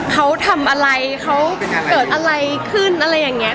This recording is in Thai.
เขาทำอะไรเขาเกิดอะไรขึ้นอะไรอย่างนี้